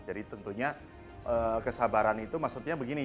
jadi tentunya kesabaran itu maksudnya begini